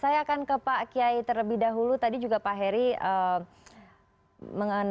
ya baik terima kasih pak heri saya akan ke pak kiai terlebih dahulu tadi juga pak heri mengenai ada beberapa hal